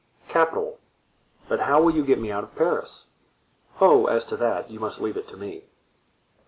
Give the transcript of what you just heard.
"Capital; but how will you get me out of Paris?" "Oh! as to that, you must leave it to me."